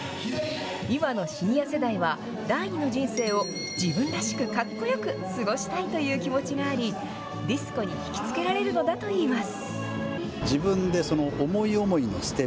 今のシニア世代は、第２の人生を自分らしくかっこよく過ごしたいという気持ちがあり、ディスコに引き付けられるのだといいます。